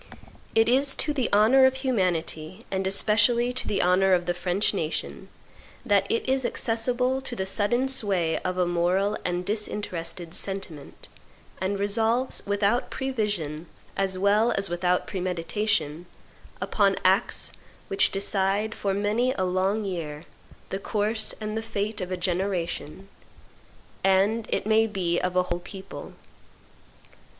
It is to the honor of humanity, and especially to the honor of the French nation, that it is accessible to the sudden sway of a moral and disinterested sentiment, and resolves, without prevision as well as without premeditation, upon acts which decide, for many a long year, the course and the fate of a generation, and, it may be, of a whole people.